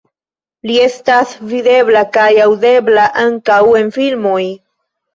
Li estas videbla kaj aŭdebla ankaŭ en filmoj.